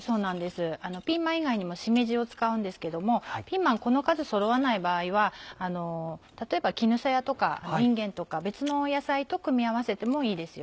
ピーマン以外にもしめじを使うんですけどもピーマンこの数そろわない場合は例えば絹さやとかいんげんとか別の野菜と組み合わせてもいいですよ。